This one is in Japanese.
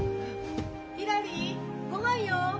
・ひらりごはんよ！